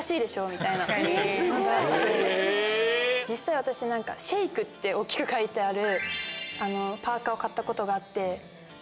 実際私「ＳＨＡＫＥ」って大きく書いてあるパーカを買ったことがあって。